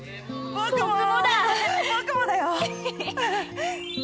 ・僕もだよ！